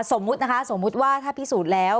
สมมุตินะคะสมมุติว่าถ้าพิสูจน์แล้ว